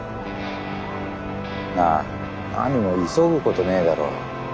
なあなにも急ぐことねえだろう。